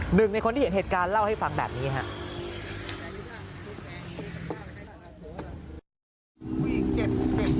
หนึ่งในคนที่เห็นเหตุการณ์เล่าให้ฟังแบบนี้ครับ